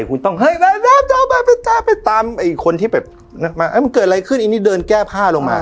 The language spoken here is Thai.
คุณต้องเฮ้ยตามไอ้คนที่แบบมันเกิดอะไรขึ้นอันนี้เดินแก้ผ้าลงมา